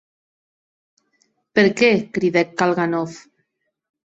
Per qué?, cridèc Kalganov.